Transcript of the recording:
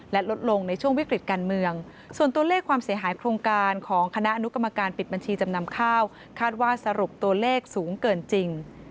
และลดลงในช่วงวิกฤติการเมืองส่วนตัวเลขความเสียหายโครงการของคณะอนุกรรมการปิดบัญชีจำนำข้าวคาดว่าสรุปตัวเลขสูงเกินจริง